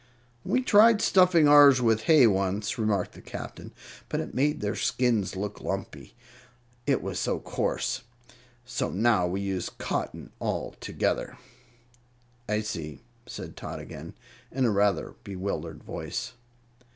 "We tried stuffing ours with hay once," remarked the Captain; "but it made their skins look lumpy, it was so coarse; so now we use cotton altogether." "I see," said Tot again, in a rather bewildered voice.